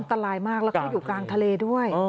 อันตรายมากแล้วก็อยู่กลางทะเลด้วย